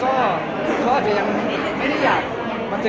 แต่ช่วงนี้มันก็ไม่ได้อยาก